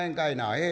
「ええ。